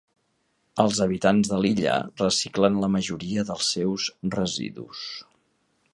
Els habitants de l'illa reciclen la majoria dels seus residus.